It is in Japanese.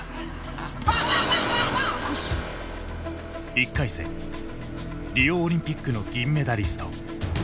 １回戦リオオリンピックの銀メダリスト。